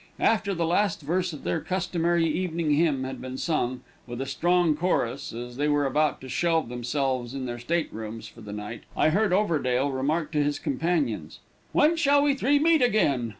After the last verse of their customary evening hymn had been sung, with a strong chorus, as they were about to shelve themselves in their state rooms for the night, I heard Overdale remark to his companions: "When shall we three meet again?